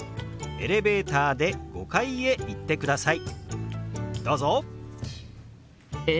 エレベーターで５階へ行ってください。